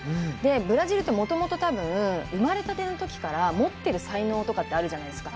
ブラジルって生まれたての時から持ってる才能とかってあるじゃないですか。